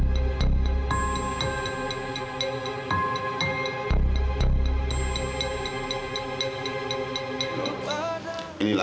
terima kasih pak